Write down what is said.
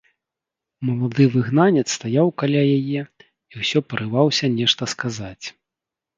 Малады выгнанец стаяў каля яе і ўсё парываўся нешта сказаць.